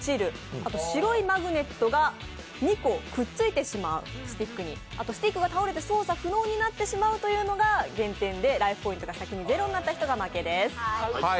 あと白いマグネットがスティックに２個くっついてしまう、あとスティックが倒れて操作不能になってしまうというのが減点でライフポイントが先に０になった人が負けです。